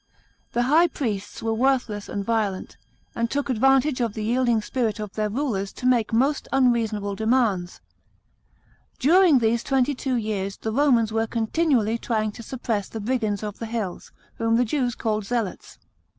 The high priests were worthless and violent, and 52 S6 A.D. KEVOLT OF JUDEA. 367 took advantage of the yielding spirit of their rulers to make most unreasonable demands. During these twenty two years the Romans were continually trying to suppress the brigands of the hills, whom the Jews called Zealots.